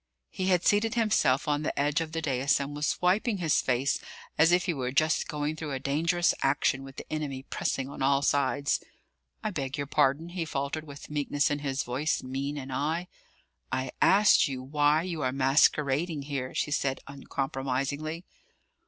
He had seated himself on the edge of the dais and was wiping his face, as if he were just going through a dangerous action, with the enemy pressing on all sides. "I beg your pardon?" he faltered, with meekness in his voice, mien, and eye. "I asked you why you are masquerading here?" she said, uncompromisingly.